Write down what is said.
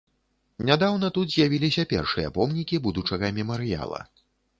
Нядаўна тут з'явіліся першыя помнікі будучага мемарыяла.